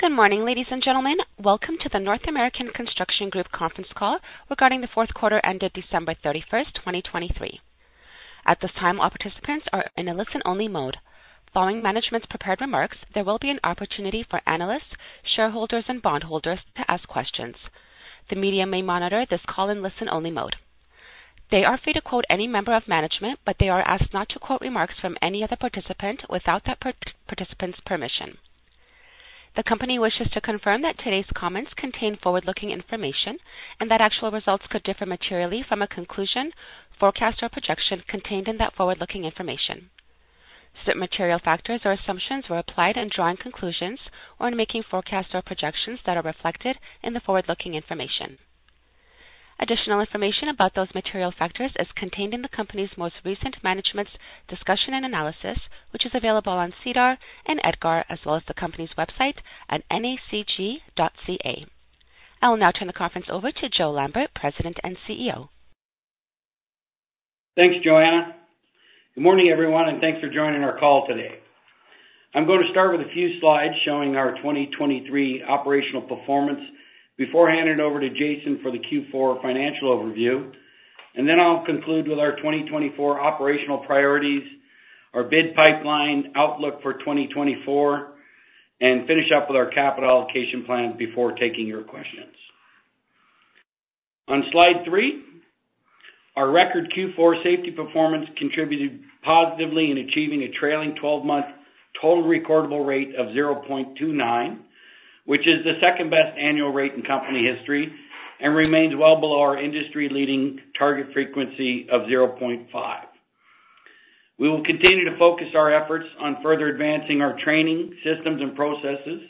Good morning, ladies and gentlemen. Welcome to the North American Construction Group conference call regarding the fourth quarter ended December 31st, 2023. At this time, all participants are in a listen-only mode. Following management's prepared remarks, there will be an opportunity for analysts, shareholders, and bondholders to ask questions. The media may monitor this call in listen-only mode. They are free to quote any member of management, but they are asked not to quote remarks from any other participant without that participant's permission. The company wishes to confirm that today's comments contain forward-looking information and that actual results could differ materially from a conclusion, forecast, or projection contained in that forward-looking information. Certain material factors or assumptions were applied in drawing conclusions or in making forecasts or projections that are reflected in the forward-looking information. Additional information about those material factors is contained in the company's most recent management's discussion and analysis, which is available on SEDAR and EDGAR as well as the company's website at nacg.ca. I will now turn the conference over to Joe Lambert, President and CEO. Thanks, Joanna. Good morning, everyone, and thanks for joining our call today. I'm going to start with a few slides showing our 2023 operational performance before handing it over to Jason for the Q4 financial overview, and then I'll conclude with our 2024 operational priorities, our bid pipeline outlook for 2024, and finish up with our capital allocation plan before taking your questions. On slide three, our record Q4 safety performance contributed positively in achieving a trailing 12-month total recordable rate of 0.29, which is the second-best annual rate in company history and remains well below our industry-leading target frequency of 0.5. We will continue to focus our efforts on further advancing our training systems and processes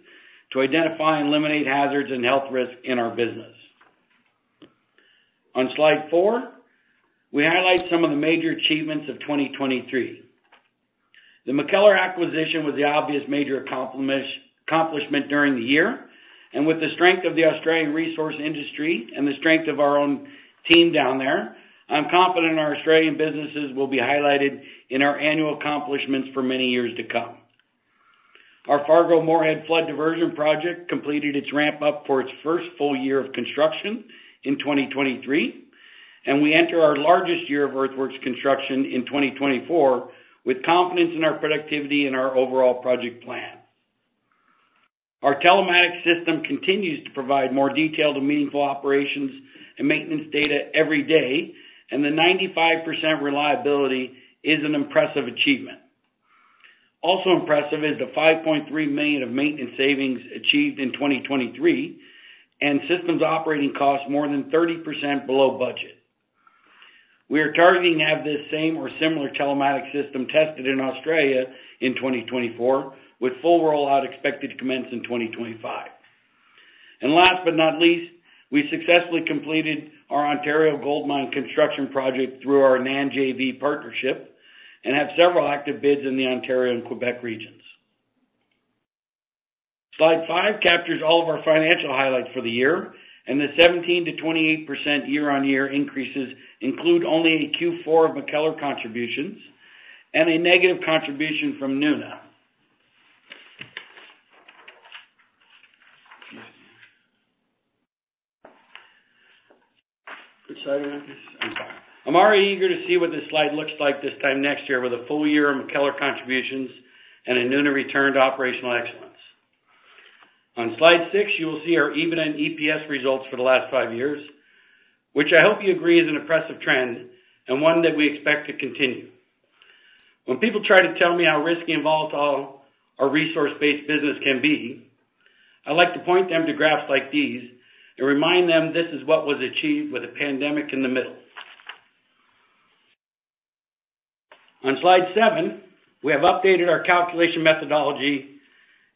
to identify and eliminate hazards and health risks in our business. On slide four, we highlight some of the major achievements of 2023. The MacKellar acquisition was the obvious major accomplishment during the year, and with the strength of the Australian resource industry and the strength of our own team down there, I'm confident our Australian businesses will be highlighted in our annual accomplishments for many years to come. Our Fargo-Moorhead flood diversion project completed its ramp-up for its first full year of construction in 2023, and we enter our largest year of earthworks construction in 2024 with confidence in our productivity and our overall project plan. Our telematics system continues to provide more detailed and meaningful operations and maintenance data every day, and the 95% reliability is an impressive achievement. Also impressive is the 5.3 million of maintenance savings achieved in 2023, and systems operating costs more than 30% below budget. We are targeting to have this same or similar telematics system tested in Australia in 2024, with full rollout expected to commence in 2025. Last but not least, we successfully completed our Ontario Gold Mine construction project through our NANJV partnership and have several active bids in the Ontario and Quebec regions. Slide five captures all of our financial highlights for the year, and the 17%-28% year-on-year increases include only a Q4 of MacKellar contributions and a negative contribution from Nuna. I'm sorry. I'm already eager to see what this slide looks like this time next year with a full year of MacKellar contributions and a Nuna return to operational excellence. On slide six, you will see our EBITDA and EPS results for the last five years, which I hope you agree is an impressive trend and one that we expect to continue. When people try to tell me how risky and volatile our resource-based business can be, I like to point them to graphs like these and remind them this is what was achieved with a pandemic in the middle. On slide seven, we have updated our calculation methodology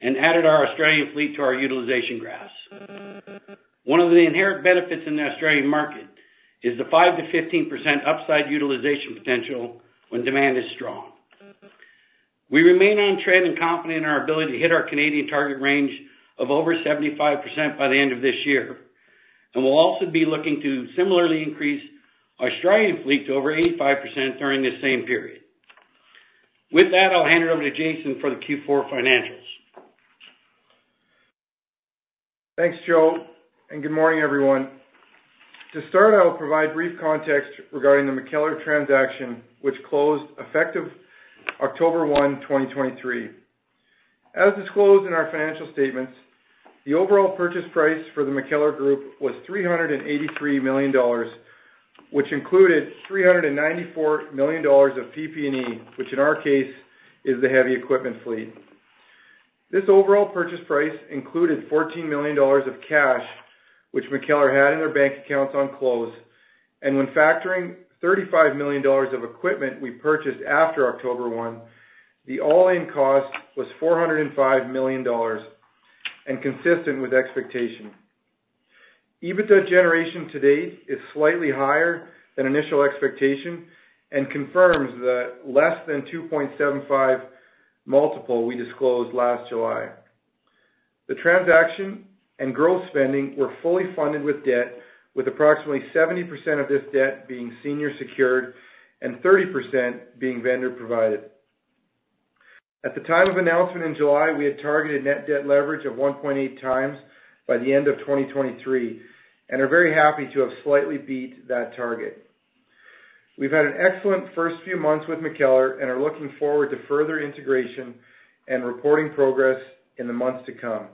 and added our Australian fleet to our utilization graphs. One of the inherent benefits in the Australian market is the 5%-15% upside utilization potential when demand is strong. We remain on trend and confident in our ability to hit our Canadian target range of over 75% by the end of this year, and we'll also be looking to similarly increase Australian fleet to over 85% during this same period. With that, I'll hand it over to Jason for the Q4 financials. Thanks, Joe, and good morning, everyone. To start, I will provide brief context regarding the MacKellar transaction, which closed effective October 1, 2023. As disclosed in our financial statements, the overall purchase price for the MacKellar Group was 383 million dollars, which included 394 million dollars of PP&E, which in our case is the heavy equipment fleet. This overall purchase price included 14 million dollars of cash, which MacKellar had in their bank accounts on close, and when factoring 35 million dollars of equipment we purchased after October 1, the all-in cost was 405 million dollars and consistent with expectation. EBITDA generation to date is slightly higher than initial expectation and confirms the less than 2.75x multiple we disclosed last July. The transaction and gross spending were fully funded with debt, with approximately 70% of this debt being senior secured and 30% being vendor provided. At the time of announcement in July, we had targeted net debt leverage of 1.8x by the end of 2023 and are very happy to have slightly beat that target. We've had an excellent first few months with MacKellar and are looking forward to further integration and reporting progress in the months to come.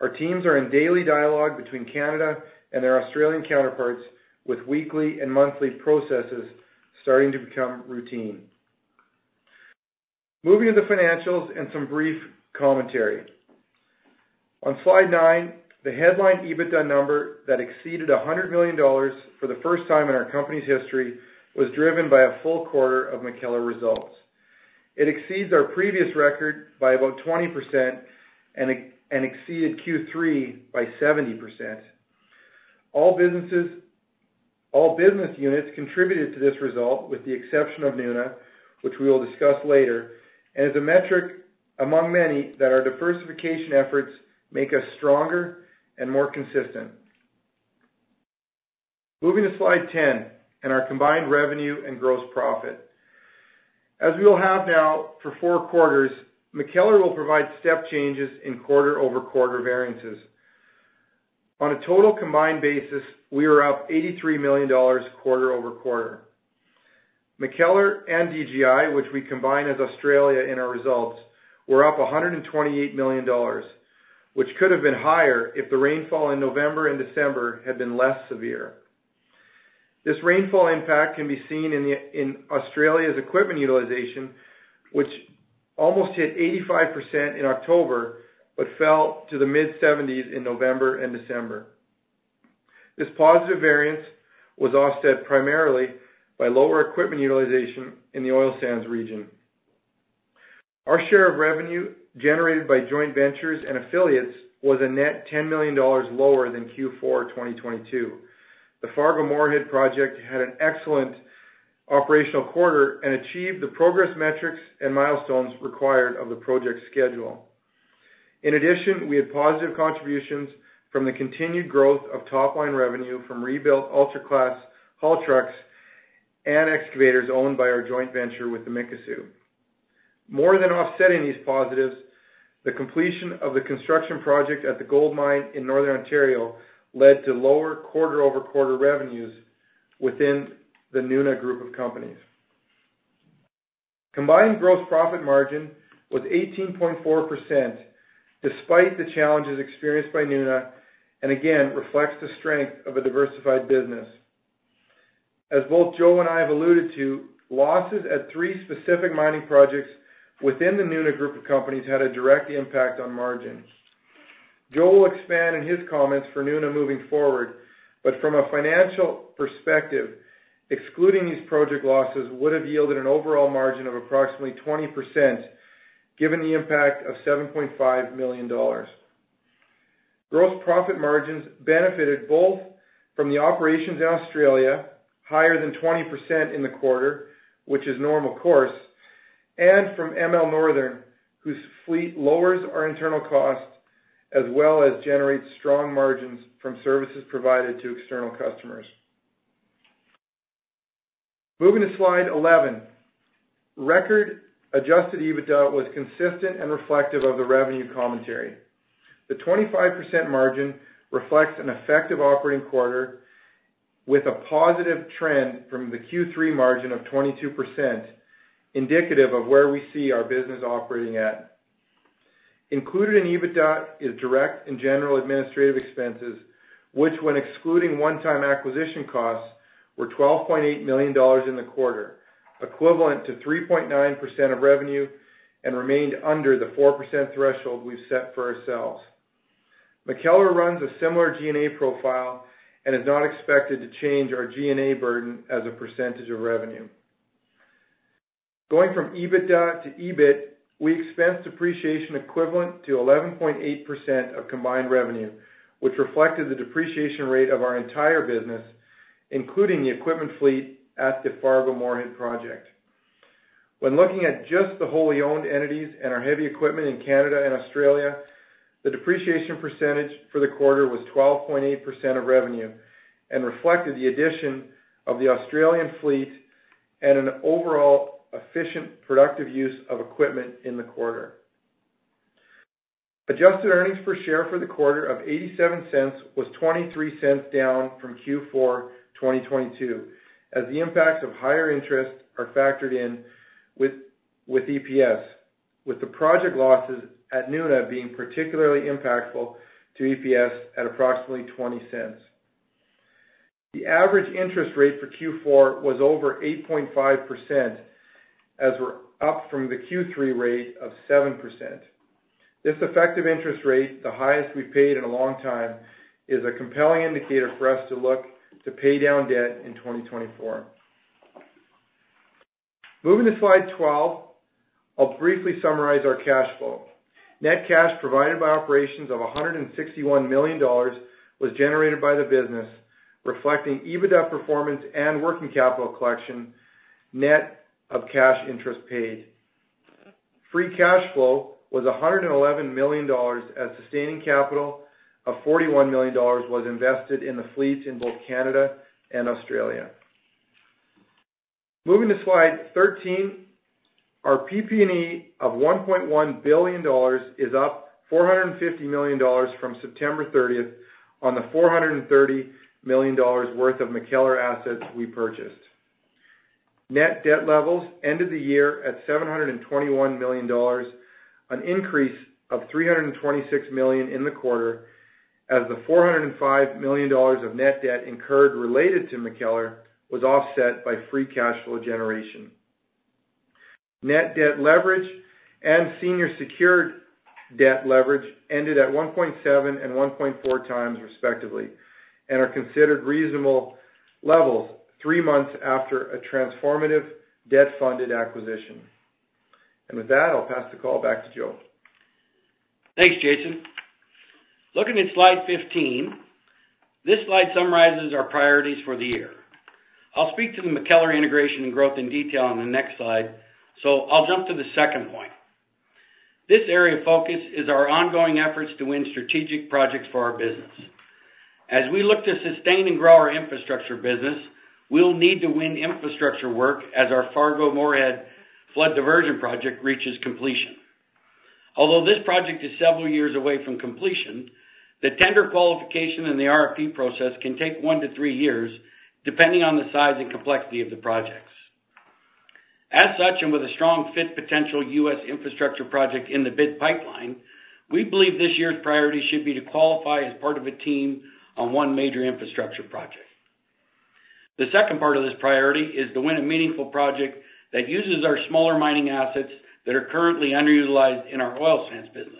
Our teams are in daily dialogue between Canada and their Australian counterparts, with weekly and monthly processes starting to become routine. Moving to the financials and some brief commentary. On slide nine, the headline EBITDA number that exceeded 100 million dollars for the first time in our company's history was driven by a full quarter of MacKellar results. It exceeds our previous record by about 20% and exceeded Q3 by 70%. All business units contributed to this result, with the exception of Nuna, which we will discuss later, and is a metric among many that our diversification efforts make us stronger and more consistent. Moving to slide 10 and our combined revenue and gross profit. As we will have now for four quarters, MacKellar will provide step changes in quarter-over-quarter variances. On a total combined basis, we are up 83 million dollars quarter-over-quarter. MacKellar and DGI, which we combine as Australia in our results, were up 128 million dollars, which could have been higher if the rainfall in November and December had been less severe. This rainfall impact can be seen in Australia's equipment utilization, which almost hit 85% in October but fell to the mid-70s in November and December. This positive variance was offset primarily by lower equipment utilization in the oil sands region. Our share of revenue generated by joint ventures and affiliates was a net 10 million dollars lower than Q4 2022. The Fargo-Moorhead project had an excellent operational quarter and achieved the progress metrics and milestones required of the project schedule. In addition, we had positive contributions from the continued growth of top-line revenue from rebuilt ultra-class haul trucks and excavators owned by our joint venture with the Mikisew. More than offsetting these positives, the completion of the construction project at the gold mine in Northern Ontario led to lower quarter-over-quarter revenues within the Nuna Group of Companies. Combined gross profit margin was 18.4% despite the challenges experienced by Nuna and, again, reflects the strength of a diversified business. As both Joe and I have alluded to, losses at three specific mining projects within the Nuna Group of Companies had a direct impact on margin. Joe will expand in his comments for Nuna moving forward, but from a financial perspective, excluding these project losses would have yielded an overall margin of approximately 20% given the impact of 7.5 million dollars. Gross profit margins benefited both from the operations in Australia, higher than 20% in the quarter, which is normal, of course, and from ML Northern, whose fleet lowers our internal cost as well as generates strong margins from services provided to external customers. Moving to slide 11. Record-adjusted EBITDA was consistent and reflective of the revenue commentary. The 25% margin reflects an effective operating quarter with a positive trend from the Q3 margin of 22%, indicative of where we see our business operating at. Included in EBITDA is direct and general administrative expenses, which, when excluding one-time acquisition costs, were 12.8 million dollars in the quarter, equivalent to 3.9% of revenue, and remained under the 4% threshold we've set for ourselves. MacKellar runs a similar G&A profile and is not expected to change our G&A burden as a percentage of revenue. Going from EBITDA to EBIT, we expense depreciation equivalent to 11.8% of combined revenue, which reflected the depreciation rate of our entire business, including the equipment fleet at the Fargo-Moorhead project. When looking at just the wholly owned entities and our heavy equipment in Canada and Australia, the depreciation percentage for the quarter was 12.8% of revenue and reflected the addition of the Australian fleet and an overall efficient productive use of equipment in the quarter. Adjusted earnings per share for the quarter of 0.87 was 0.23 down from Q4 2022 as the impacts of higher interest are factored in with EPS, with the project losses at Nuna being particularly impactful to EPS at approximately 0.20. The average interest rate for Q4 was over 8.5% as we're up from the Q3 rate of 7%. This effective interest rate, the highest we've paid in a long time, is a compelling indicator for us to look to pay down debt in 2024. Moving to slide 12, I'll briefly summarize our cash flow. Net cash provided by operations of 161 million dollars was generated by the business, reflecting EBITDA performance and working capital collection net of cash interest paid. Free cash flow was 111 million dollars as sustaining capital of 41 million dollars was invested in the fleets in both Canada and Australia. Moving to slide 13, our PP&E of 1.1 billion dollars is up 450 million dollars from September 30th on the 430 million dollars worth of MacKellar assets we purchased. Net debt levels ended the year at 721 million dollars, an increase of 326 million in the quarter as the 405 million dollars of net debt incurred related to MacKellar was offset by free cash flow generation. Net debt leverage and senior secured debt leverage ended at 1.7 and 1.4x, respectively, and are considered reasonable levels three months after a transformative debt-funded acquisition. And with that, I'll pass the call back to Joe. Thanks, Jason. Looking at slide 15, this slide summarizes our priorities for the year. I'll speak to the MacKellar integration and growth in detail on the next slide, so I'll jump to the second point. This area of focus is our ongoing efforts to win strategic projects for our business. As we look to sustain and grow our infrastructure business, we'll need to win infrastructure work as our Fargo-Moorhead flood diversion project reaches completion. Although this project is several years away from completion, the tender qualification and the RFP process can take one to three years depending on the size and complexity of the projects. As such, and with a strong fit potential U.S. infrastructure project in the bid pipeline, we believe this year's priority should be to qualify as part of a team on one major infrastructure project. The second part of this priority is to win a meaningful project that uses our smaller mining assets that are currently underutilized in our oil sands business.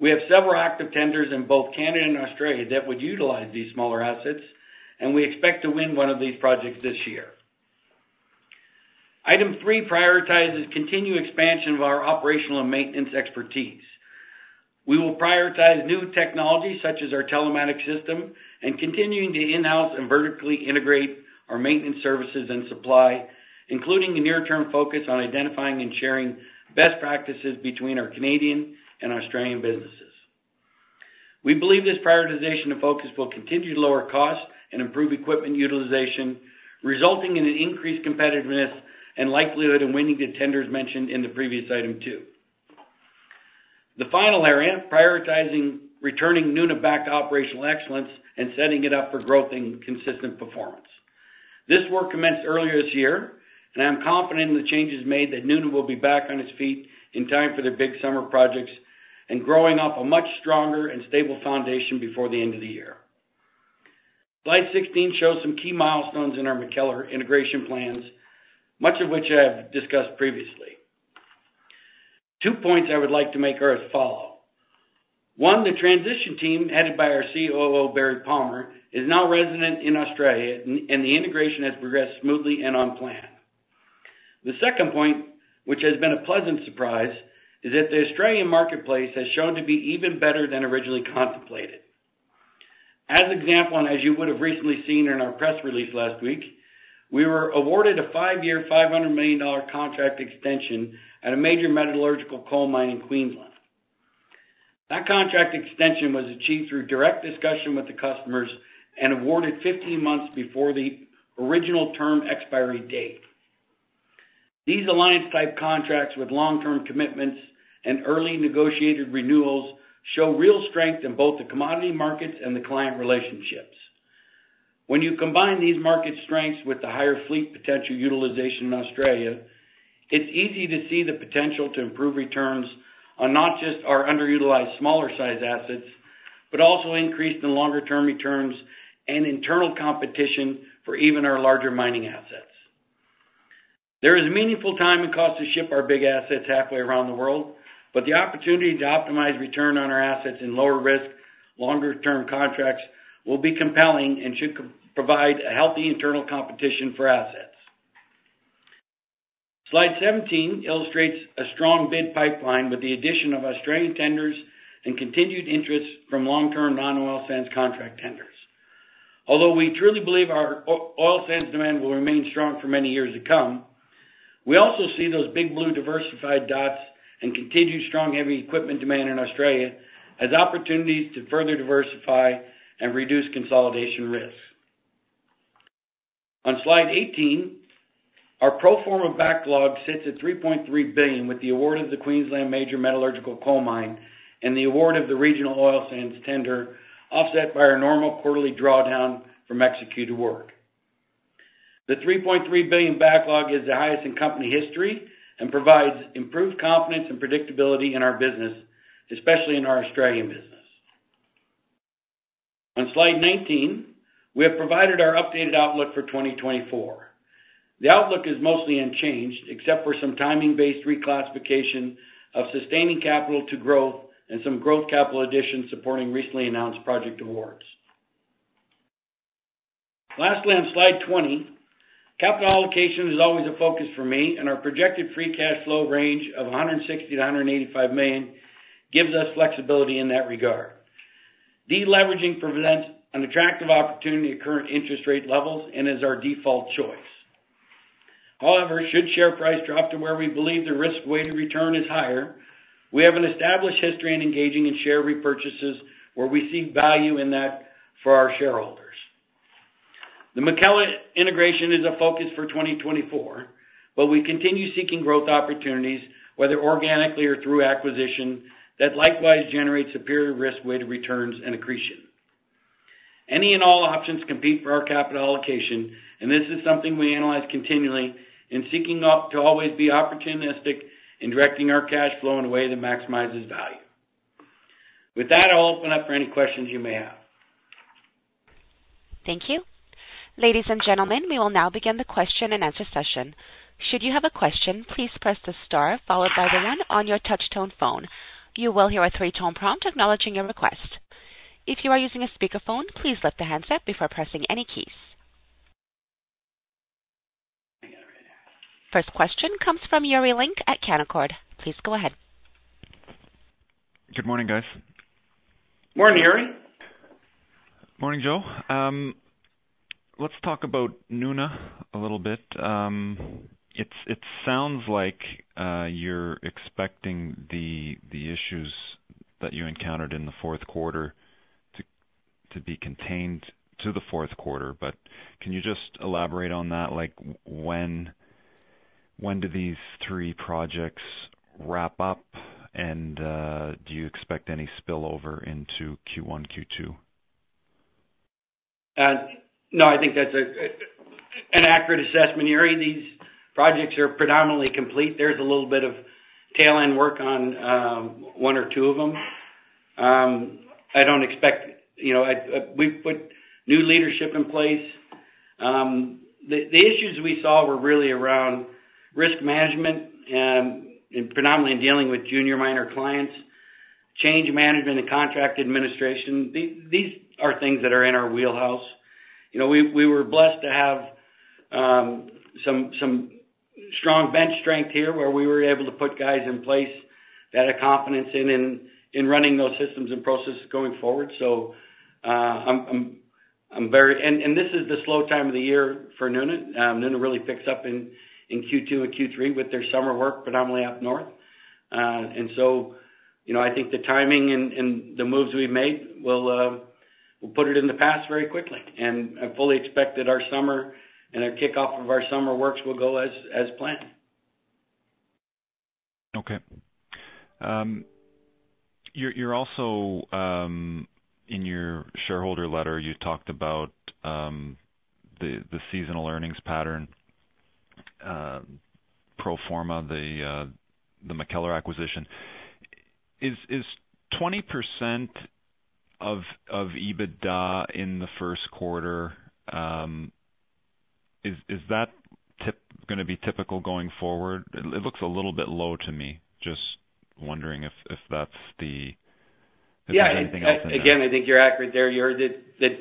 We have several active tenders in both Canada and Australia that would utilize these smaller assets, and we expect to win one of these projects this year. Item three prioritizes continued expansion of our operational and maintenance expertise. We will prioritize new technology such as our telematics system and continue to in-house and vertically integrate our maintenance services and supply, including a near-term focus on identifying and sharing best practices between our Canadian and Australian businesses. We believe this prioritization and focus will continue to lower costs and improve equipment utilization, resulting in an increased competitiveness and likelihood in winning the tenders mentioned in the previous item two. The final area, prioritizing returning Nuna-backed operational excellence and setting it up for growth and consistent performance. This work commenced earlier this year, and I am confident in the changes made that Nuna will be back on its feet in time for their big summer projects and growing up a much stronger and stable foundation before the end of the year. Slide 16 shows some key milestones in our MacKellar integration plans, much of which I have discussed previously. Two points I would like to make are as follows. One, the transition team headed by our COO, Barry Palmer, is now resident in Australia, and the integration has progressed smoothly and on plan. The second point, which has been a pleasant surprise, is that the Australian marketplace has shown to be even better than originally contemplated. As example, and as you would have recently seen in our press release last week, we were awarded a five-year, 500 million dollar contract extension at a major metallurgical coal mine in Queensland. That contract extension was achieved through direct discussion with the customers and awarded 15 months before the original term expiry date. These alliance-type contracts with long-term commitments and early negotiated renewals show real strength in both the commodity markets and the client relationships. When you combine these market strengths with the higher fleet potential utilization in Australia, it's easy to see the potential to improve returns on not just our underutilized smaller-size assets but also increased and longer-term returns and internal competition for even our larger mining assets. There is meaningful time and cost to ship our big assets halfway around the world, but the opportunity to optimize return on our assets in lower-risk, longer-term contracts will be compelling and should provide a healthy internal competition for assets. Slide 17 illustrates a strong bid pipeline with the addition of Australian tenders and continued interest from long-term non-oil sands contract tenders. Although we truly believe our oil sands demand will remain strong for many years to come, we also see those big blue diversified dots and continued strong, heavy equipment demand in Australia as opportunities to further diversify and reduce consolidation risk. On slide 18, our pro forma backlog sits at 3.3 billion with the award of the Queensland Major Metallurgical Coal Mine and the award of the Regional Oil Sands Tender, offset by our normal quarterly drawdown for executed to work. The 3.3 billion backlog is the highest in company history and provides improved confidence and predictability in our business, especially in our Australian business. On slide 19, we have provided our updated outlook for 2024. The outlook is mostly unchanged except for some timing-based reclassification of sustaining capital to growth and some growth capital addition supporting recently announced project awards. Lastly, on slide 20, capital allocation is always a focus for me, and our projected free cash flow range of 160 million-185 million gives us flexibility in that regard. De-leveraging presents an attractive opportunity at current interest rate levels and is our default choice. However, should share price drop to where we believe the risk-weighted return is higher, we have an established history in engaging in share repurchases where we see value in that for our shareholders. The MacKellar integration is a focus for 2024, but we continue seeking growth opportunities, whether organically or through acquisition, that likewise generate superior risk-weighted returns and accretion. Any and all options compete for our capital allocation, and this is something we analyze continually in seeking to always be opportunistic in directing our cash flow in a way that maximizes value. With that, I'll open up for any questions you may have. Thank you. Ladies and gentlemen, we will now begin the question-and-answer session. Should you have a question, please press the star followed by the one on your touchtone phone. You will hear a three-tone prompt acknowledging your request. If you are using a speakerphone, please lift the handset before pressing any keys. First question comes from Yuri Lynk at Canaccord Genuity. Please go ahead. Good morning, guys. Morning, Yuri. Morning, Joe. Let's talk about Nuna a little bit. It sounds like you're expecting the issues that you encountered in the fourth quarter to be contained to the fourth quarter, but can you just elaborate on that? When do these three projects wrap up, and do you expect any spillover into Q1, Q2? No, I think that's an accurate assessment, Yuri. These projects are predominantly complete. There's a little bit of tail-end work on one or two of them. I don't expect we've put new leadership in place. The issues we saw were really around risk management, predominantly in dealing with junior miner clients, change management, and contract administration. These are things that are in our wheelhouse. We were blessed to have some strong bench strength here where we were able to put guys in place that had confidence in running those systems and processes going forward. So I'm very and this is the slow time of the year for Nuna. Nuna really picks up in Q2 and Q3 with their summer work predominantly up north. And so I think the timing and the moves we've made will put it in the past very quickly, and I fully expect that our summer and our kickoff of our summer works will go as planned. Okay. You're also in your shareholder letter, you talked about the seasonal earnings pattern, pro forma, the MacKellar acquisition. Is 20% of EBITDA in the first quarter, is that going to be typical going forward? It looks a little bit low to me. Just wondering if that's. Is there anything else in there? Again, I think you're accurate there, Yuri, that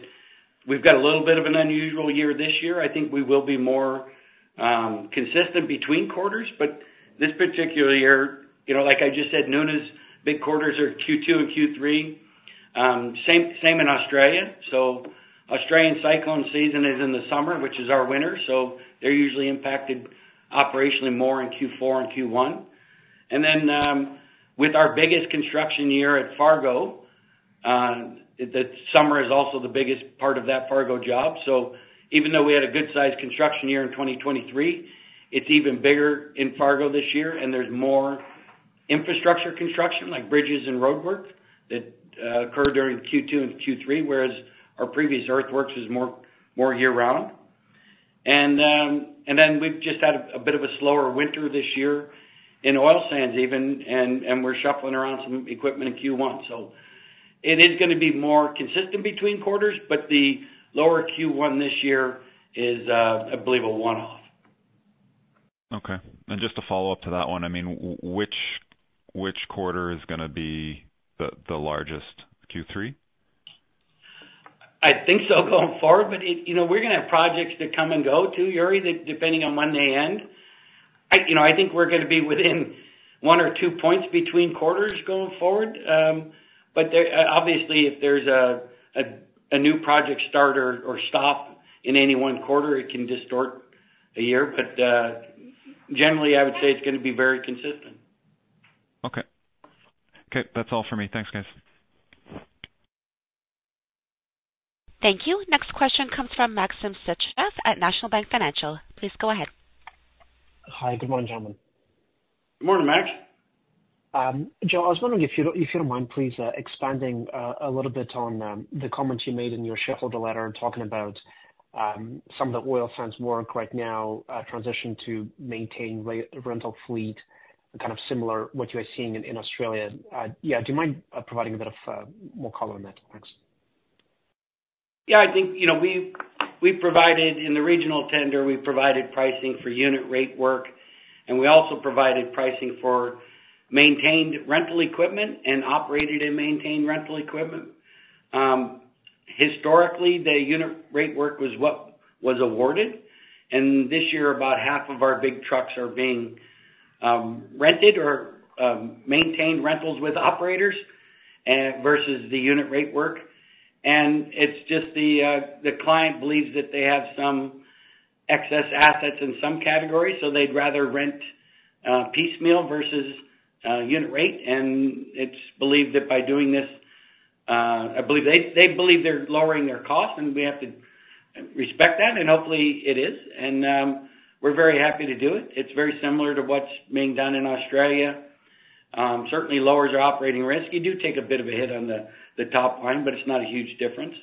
we've got a little bit of an unusual year this year. I think we will be more consistent between quarters, but this particular year, like I just said, Nuna's big quarters are Q2 and Q3. Same in Australia. So Australian cyclone season is in the summer, which is our winter, so they're usually impacted operationally more in Q4 and Q1. And then with our biggest construction year at Fargo, the summer is also the biggest part of that Fargo job. So even though we had a good-sized construction year in 2023, it's even bigger in Fargo this year, and there's more infrastructure construction, like bridges and roadwork, that occurred during Q2 and Q3, whereas our previous earthworks was more year-round. And then we've just had a bit of a slower winter this year in oil sands even, and we're shuffling around some equipment in Q1. So it is going to be more consistent between quarters, but the lower Q1 this year is, I believe, a one-off. Okay. And just to follow up to that one, I mean, which quarter is going to be the largest, Q3? I think so going forward, but we're going to have projects that come and go too, Yuri, depending on when they end. I think we're going to be within one or two points between quarters going forward, but obviously, if there's a new project start or stop in any one quarter, it can distort a year. But generally, I would say it's going to be very consistent. Okay. Okay. That's all for me. Thanks, guys. Thank you. Next question comes from Maxim Sytchev at National Bank Financial. Please go ahead. Hi. Good morning, gentlemen. Good morning, Max. Joe, I was wondering if you don't mind, please, expanding a little bit on the comments you made in your shareholder letter talking about some of the oil sands work right now, transition to maintain rental fleet, kind of similar to what you are seeing in Australia. Yeah, do you mind providing a bit of more color on that, Max? Yeah. I think we've provided in the regional tender, we've provided pricing for unit rate work, and we also provided pricing for maintained rental equipment and operated and maintained rental equipment. Historically, the unit rate work was what was awarded, and this year, about half of our big trucks are being rented or maintained rentals with operators versus the unit rate work. And it's just the client believes that they have some excess assets in some categories, so they'd rather rent piecemeal versus unit rate. And it's believed that by doing this I believe they believe they're lowering their costs, and we have to respect that, and hopefully, it is. And we're very happy to do it. It's very similar to what's being done in Australia, certainly lowers our operating risk. You do take a bit of a hit on the top line, but it's not a huge difference.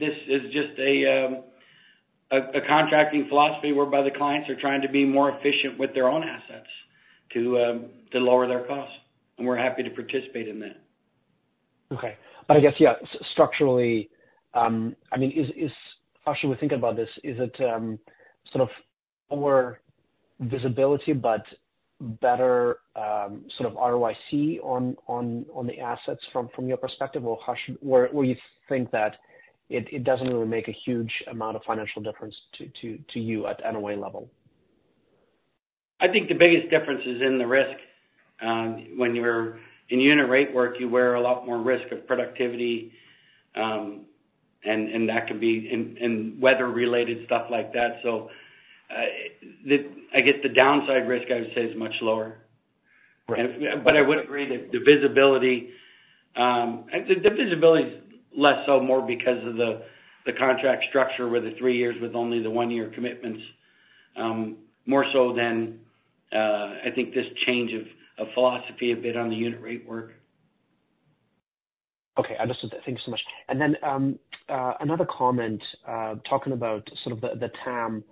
This is just a contracting philosophy whereby the clients are trying to be more efficient with their own assets to lower their costs, and we're happy to participate in that. Okay. But I guess, yeah, structurally, I mean, actually, when thinking about this, is it sort of more visibility but better sort of ROIC on the assets from your perspective, or where you think that it doesn't really make a huge amount of financial difference to you at NOA level? I think the biggest difference is in the risk. When you're in unit rate work, you wear a lot more risk of productivity, and that can be in weather-related stuff like that. So I guess the downside risk, I would say, is much lower. But I would agree that the visibility is less so more because of the contract structure where the three years with only the one-year commitments, more so than I think this change of philosophy a bit on the unit rate work. Okay. I understood that. Thank you so much. And then another comment talking about sort of the TAM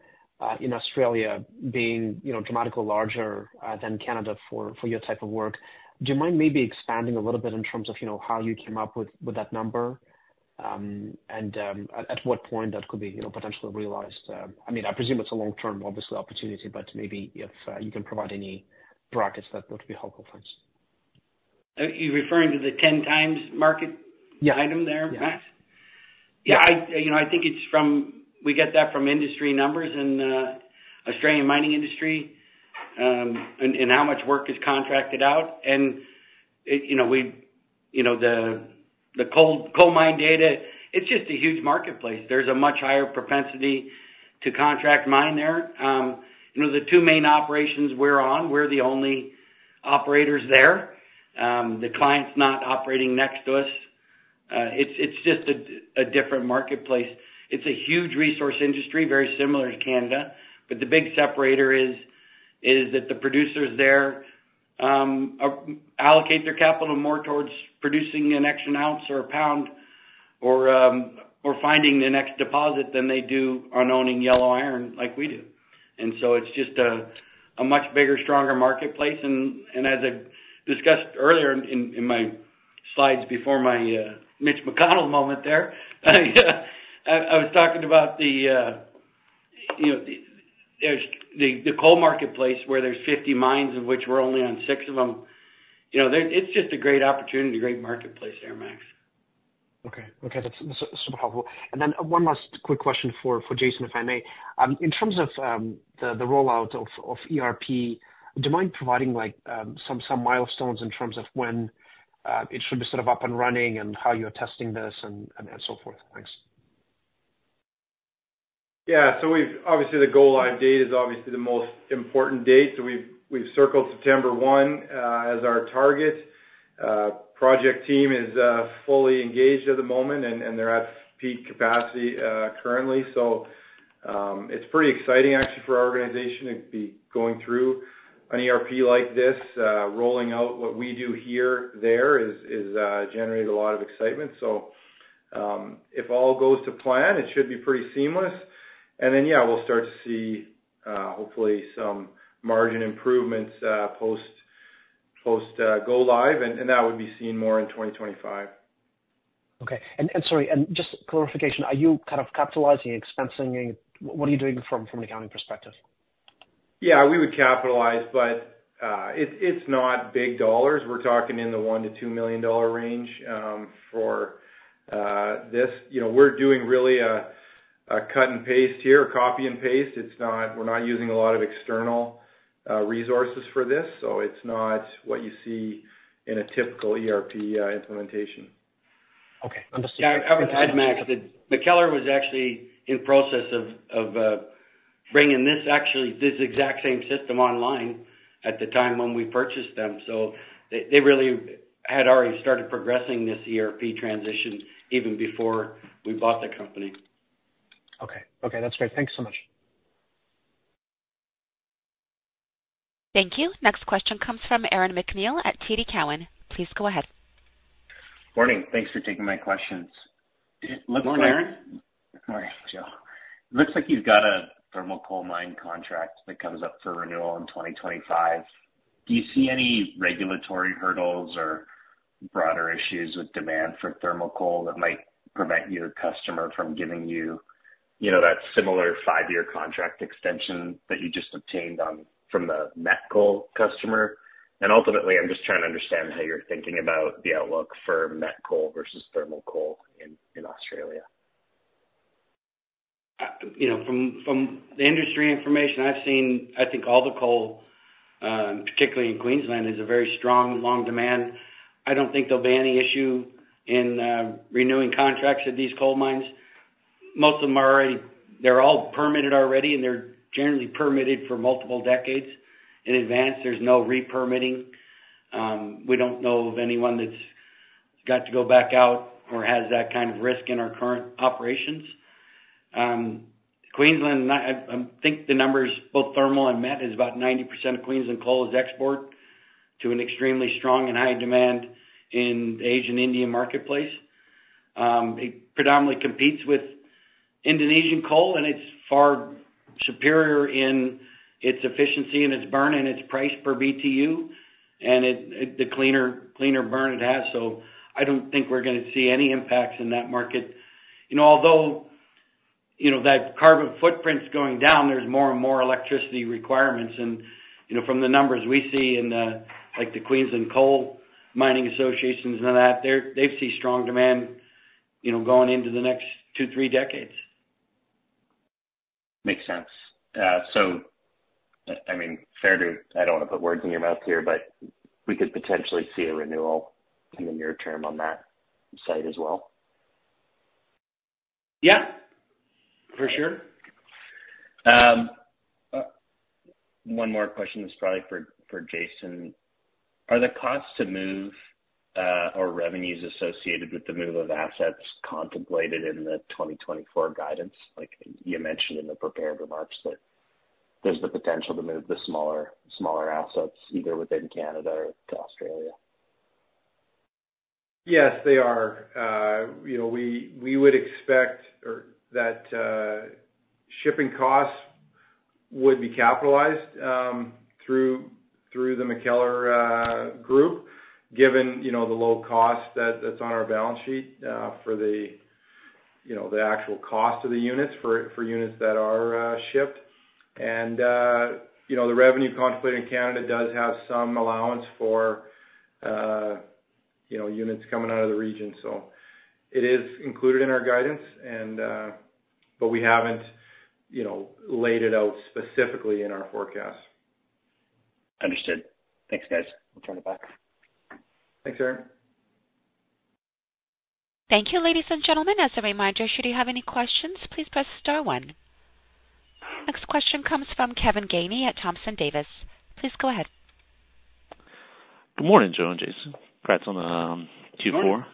in Australia being dramatically larger than Canada for your type of work. Do you mind maybe expanding a little bit in terms of how you came up with that number and at what point that could be potentially realized? I mean, I presume it's a long-term, obviously, opportunity, but maybe if you can provide any brackets, that would be helpful. Thanks. Are you referring to the 10x market item there, Max? Yeah. Yeah. I think it's from we get that from industry numbers and Australian mining industry and how much work is contracted out. The coal mine data, it's just a huge marketplace. There's a much higher propensity to contract mine there. The two main operations we're on, we're the only operators there. The client's not operating next to us. It's just a different marketplace. It's a huge resource industry, very similar to Canada, but the big separator is that the producers there allocate their capital more towards producing an extra ounce or a pound or finding the next deposit than they do on owning yellow iron like we do. So it's just a much bigger, stronger marketplace. As I discussed earlier in my slides before my Mitch McConnell moment there, I was talking about the coal marketplace where there's 50 mines of which we're only on six of them. It's just a great opportunity, great marketplace there, Max. Okay. Okay. That's super helpful. Then one last quick question for Jason, if I may. In terms of the rollout of ERP, do you mind providing some milestones in terms of when it should be sort of up and running and how you're testing this and so forth? Thanks. Yeah. So obviously, the goal live date is obviously the most important date. So we've circled September 1 as our target. Project team is fully engaged at the moment, and they're at peak capacity currently. So it's pretty exciting, actually, for our organization to be going through an ERP like this. Rolling out what we do here there has generated a lot of excitement. So if all goes to plan, it should be pretty seamless. And then, yeah, we'll start to see, hopefully, some margin improvements post-go live, and that would be seen more in 2025. Okay. Sorry, just for clarification, are you kind of capitalizing, expensing? What are you doing from an accounting perspective? Yeah. We would capitalize, but it's not big dollars. We're talking in the 1 million-2 million dollar range for this. We're doing really a cut and paste here, a copy and paste. We're not using a lot of external resources for this, so it's not what you see in a typical ERP implementation. Okay. Understood. I would add, Max, that MacKellar was actually in process of bringing this exact same system online at the time when we purchased them. So they really had already started progressing this ERP transition even before we bought the company. Okay. Okay. That's great. Thanks so much. Thank you. Next question comes from Aaron MacNeil at TD Cowen. Please go ahead. Morning. Thanks for taking my questions. Looks like. Morning, Aaron. Morning, Joe. Looks like you've got a thermal coal mine contract that comes up for renewal in 2025. Do you see any regulatory hurdles or broader issues with demand for thermal coal that might prevent your customer from giving you that similar five-year contract extension that you just obtained from the met coal customer? And ultimately, I'm just trying to understand how you're thinking about the outlook for met coal versus thermal coal in Australia. From the industry information I've seen, I think all the coal, particularly in Queensland, is a very strong, long demand. I don't think there'll be any issue in renewing contracts at these coal mines. Most of them are already. They're all permitted already, and they're generally permitted for multiple decades in advance. There's no repermitting. We don't know of anyone that's got to go back out or has that kind of risk in our current operations. Queensland, I think the numbers, both thermal and met, is about 90% of Queensland coal is export to an extremely strong and high demand in the Asian Indian marketplace. It predominantly competes with Indonesian coal, and it's far superior in its efficiency and its burn and its price per BTU and the cleaner burn it has. So I don't think we're going to see any impacts in that market. Although that carbon footprint's going down, there's more and more electricity requirements. From the numbers we see in the Queensland Coal Mining Associations and all that, they've seen strong demand going into the next two-three decades. Makes sense. So, I mean, fair to say I don't want to put words in your mouth here, but we could potentially see a renewal in the near term on that site as well. Yeah. For sure. One more question. This is probably for Jason. Are the costs to move or revenues associated with the move of assets contemplated in the 2024 guidance? You mentioned in the prepared remarks that there's the potential to move the smaller assets either within Canada or to Australia. Yes, they are. We would expect that shipping costs would be capitalized through the MacKellar Group given the low cost that's on our balance sheet for the actual cost of the units, for units that are shipped. The revenue contemplated in Canada does have some allowance for units coming out of the region. It is included in our guidance, but we haven't laid it out specifically in our forecast. Understood. Thanks, guys. We'll turn it back. Thanks, Aaron. Thank you, ladies and gentlemen. As a reminder, should you have any questions, please press star one. Next question comes from Kevin Gainey at Thompson Davis. Please go ahead. Good morning, Joe, and Jason. Congrats on Q4.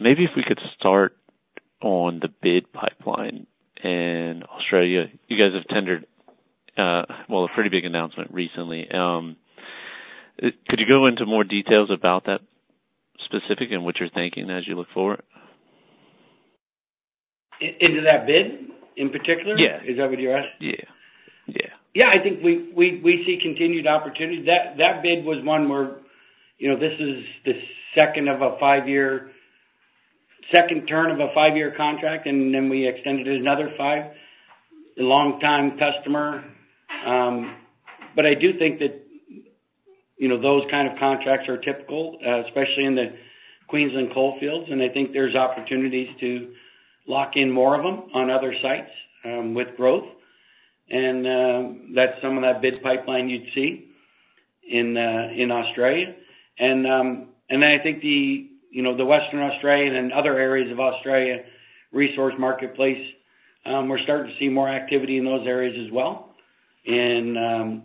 Maybe if we could start on the bid pipeline in Australia. You guys have tendered, well, a pretty big announcement recently. Could you go into more details about that specific and what you're thinking as you look forward? Into that bid in particular? Yeah. Is that what you're asking? Yeah. Yeah. Yeah. I think we see continued opportunity. That bid was one where this is the second of a five-year second turn of a five-year contract, and then we extended it another five. Long-time customer. But I do think that those kind of contracts are typical, especially in the Queensland coalfields. And I think there's opportunities to lock in more of them on other sites with growth. And that's some of that bid pipeline you'd see in Australia. And then I think the Western Australia and other areas of Australia resource marketplace, we're starting to see more activity in those areas as well. And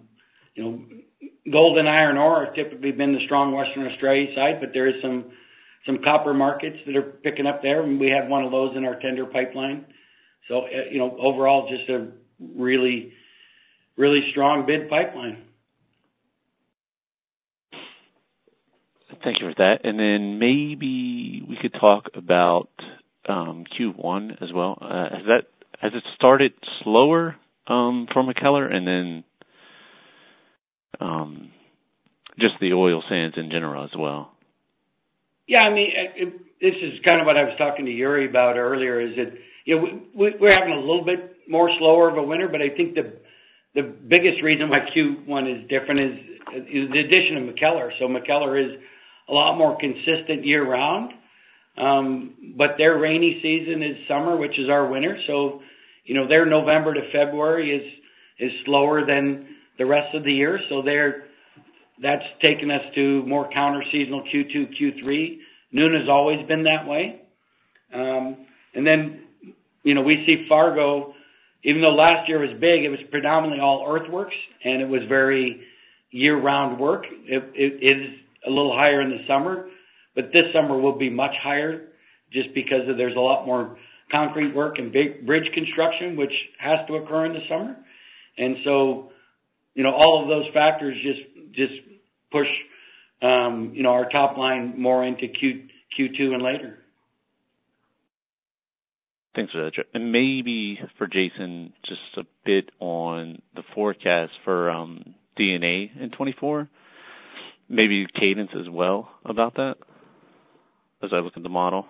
gold and iron ore have typically been the strong Western Australia side, but there are some copper markets that are picking up there, and we have one of those in our tender pipeline. So overall, just a really strong bid pipeline. Thank you for that. Then maybe we could talk about Q1 as well. Has it started slower for MacKellar and then just the oil sands in general as well? Yeah. I mean, this is kind of what I was talking to Yuri about earlier, is that we're having a little bit more slower of a winter. But I think the biggest reason why Q1 is different is the addition of MacKellar. So MacKellar is a lot more consistent year-round, but their rainy season is summer, which is our winter. So their November to February is slower than the rest of the year. So that's taken us to more counterseasonal Q2, Q3. Nuna has always been that way. And then we see Fargo, even though last year was big, it was predominantly all earthworks, and it was very year-round work. It is a little higher in the summer, but this summer will be much higher just because there's a lot more concrete work and bridge construction, which has to occur in the summer. And so all of those factors just push our top line more into Q2 and later. Thanks for that, Joe. And maybe for Jason, just a bit on the forecast for D&A in 2024, maybe cadence as well about that as I look at the model.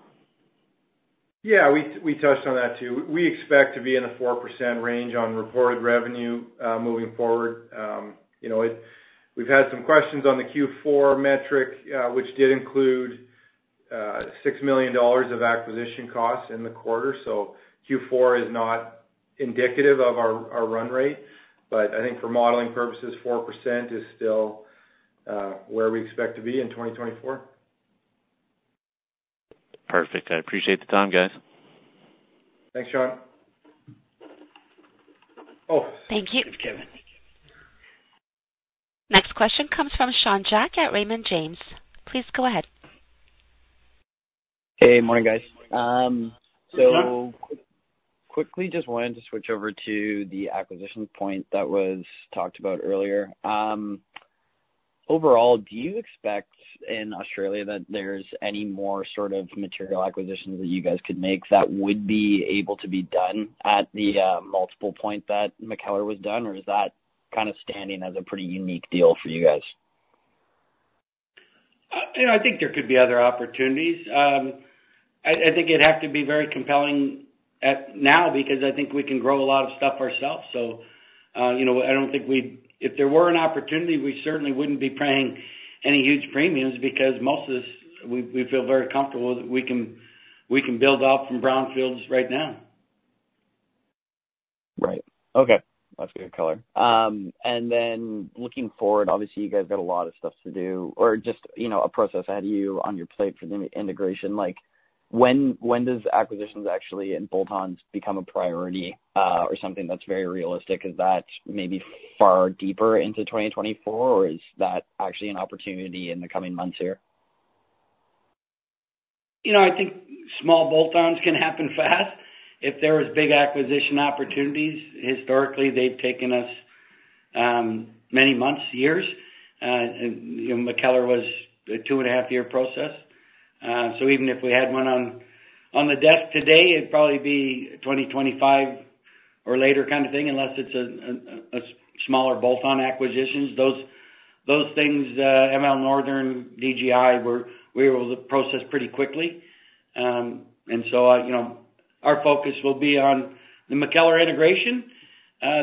Yeah. We touched on that too. We expect to be in the 4% range on reported revenue moving forward. We've had some questions on the Q4 metric, which did include 6 million dollars of acquisition costs in the quarter. So Q4 is not indicative of our run rate, but I think for modeling purposes, 4% is still where we expect to be in 2024. Perfect. I appreciate the time, guys. Thanks, Sean. Oh. Thank you. Thanks, Kevin. Next question comes from Sean Jack at Raymond James. Please go ahead. Hey. Morning, guys. So quickly, just wanted to switch over to the acquisitions point that was talked about earlier. Overall, do you expect in Australia that there's any more sort of material acquisitions that you guys could make that would be able to be done at the multiple point that MacKellar was done, or is that kind of standing as a pretty unique deal for you guys? I think there could be other opportunities. I think it'd have to be very compelling now because I think we can grow a lot of stuff ourselves. So I don't think if there were an opportunity, we certainly wouldn't be paying any huge premiums because most of this, we feel very comfortable that we can build up from brownfields right now. Right. Okay. That's good color. And then looking forward, obviously, you guys got a lot of stuff to do or just a process ahead of you on your plate for the integration. When does acquisitions actually and bolt-ons become a priority or something that's very realistic? Is that maybe far deeper into 2024, or is that actually an opportunity in the coming months here? I think small bolt-ons can happen fast. If there was big acquisition opportunities, historically, they've taken us many months, years. MacKellar was a 2.5-year process. So even if we had one on the desk today, it'd probably be 2025 or later kind of thing unless it's a smaller bolt-on acquisitions. Those things, ML Northern, DGI, we were able to process pretty quickly. And so our focus will be on the MacKellar integration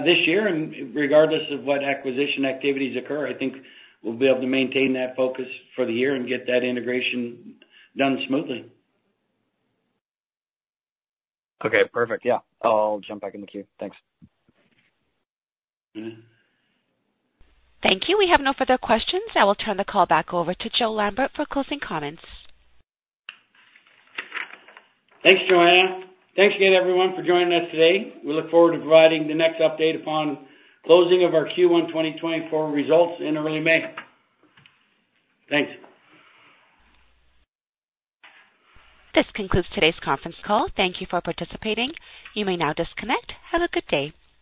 this year. And regardless of what acquisition activities occur, I think we'll be able to maintain that focus for the year and get that integration done smoothly. Okay. Perfect. Yeah. I'll jump back in the queue. Thanks. Thank you. We have no further questions. I will turn the call back over to Joe Lambert for closing comments. Thanks, Joanna. Thanks again, everyone, for joining us today. We look forward to providing the next update upon closing of our Q1 2024 results in early May. Thanks. This concludes today's conference call. Thank you for participating. You may now disconnect. Have a good day.